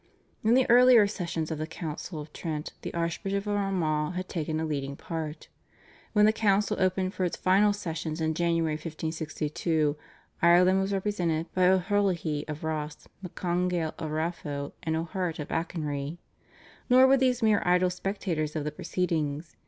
In the earlier sessions of the Council of Trent the Archbishop of Armagh had taken a leading part. When the Council opened for its final sessions in January 1562 Ireland was represented by O'Herlihy of Ross, McCongail of Raphoe, and O'Harte of Achonry. Nor were these mere idle spectators of the proceedings.